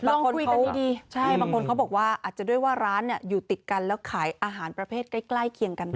คุยกันดีใช่บางคนเขาบอกว่าอาจจะด้วยว่าร้านเนี่ยอยู่ติดกันแล้วขายอาหารประเภทใกล้เคียงกันไป